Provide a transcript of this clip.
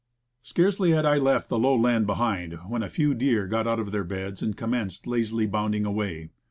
Scarcely had I left the low land behind, when a few deer got out of their beds and commenced lazily bounding away.